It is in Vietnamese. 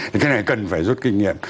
thì cái này cần phải rút kinh nghiệm